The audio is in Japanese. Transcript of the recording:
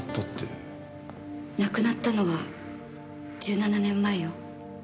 亡くなったのは１７年前よ。